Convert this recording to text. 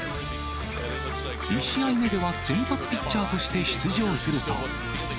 １試合目では先発ピッチャーとして出場すると。